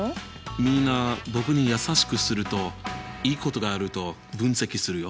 みんな僕に優しくするといいことがあると分析するよ！